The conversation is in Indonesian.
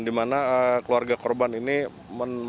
di mana keluarga korban ini menemukan